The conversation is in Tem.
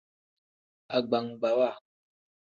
Agbagbawa.